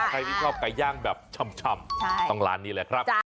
ใครที่ชอบไก่ย่างแบบชำต้องร้านนี้แหละครับ